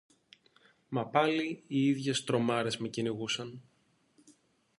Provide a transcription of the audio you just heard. Μα πάλι οι ίδιες τρομάρες με κυνηγούσαν.